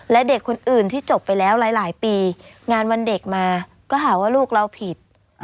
และเด็กคนอื่นที่จบไปแล้วหลายปีงานวันเด็กมาก็หาว่าลูกเราผิด